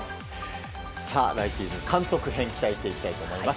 来季監督編に期待していきたいと思います。